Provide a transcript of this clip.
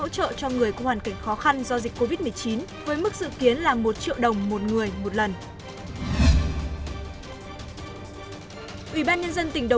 sau sáu ngày liên tục không có ca nhiễm tỉnh quản trị phát hiện một mươi ca dương tính viện ncov